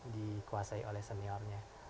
dikuasai oleh seniornya